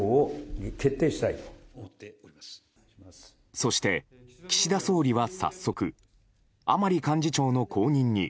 そして岸田総理は早速、甘利幹事長の後任に。